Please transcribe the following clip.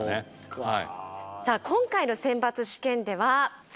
はい。